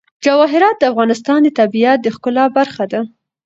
جواهرات د افغانستان د طبیعت د ښکلا برخه ده.